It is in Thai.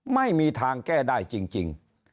ไม่มีทางแก้ได้จริง